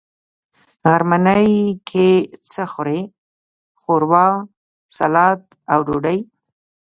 غرمنۍ کی څه خورئ؟ ښوروا، ، سلاډ او ډوډۍ